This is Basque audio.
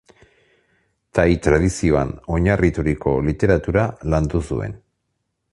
Tai tradizioan oinarrituriko literatura landu zuen.